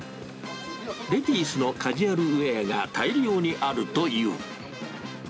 レディースのカジュアルウエアが大量にあるという。